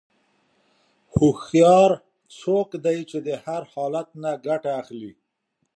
هوښیار څوک دی چې د هر حالت نه ګټه اخلي.